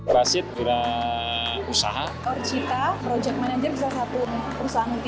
kriteria produk halal itu